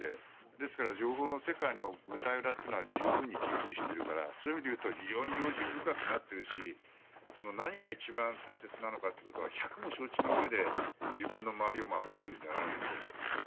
ですから、情報の世界の舞台裏は十分に熟知しているからそういう意味でいうと非常に用心深くなっているし何が一番大切なのかは百も承知のうえで自分の周りを守ってるんじゃないですか。